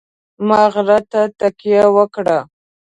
ما غره ته تکیه وکړه.